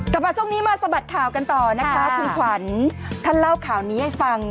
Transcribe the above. กลับมาช่วงนี้มาสะบัดข่าวกันต่อนะคะคุณขวัญท่านเล่าข่าวนี้ให้ฟัง